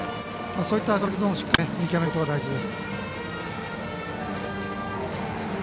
そういったストライクゾーンをしっかりと見極めることが大事です。